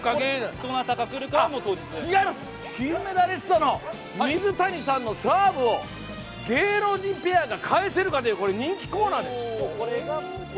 違います、金メダリストの水谷さんのサーブを芸能人ペアが返せるかという人気コーナーです。